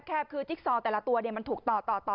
แคบคือจิ๊กซอลแต่ละตัวมันถูกต่อ